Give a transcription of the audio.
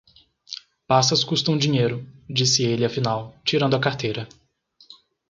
Passas custam dinheiro, disse ele afinal, tirando a carteira.